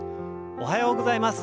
おはようございます。